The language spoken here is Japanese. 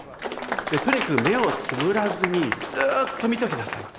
「とにかく目をつむらずにずっと見ときなさい。